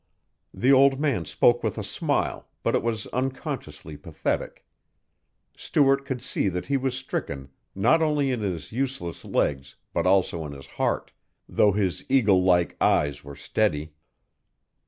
The old man spoke with a smile, but it was unconsciously pathetic. Stuart could see that he was stricken not only in his useless legs but also in his heart, though his eagle like eyes were steady.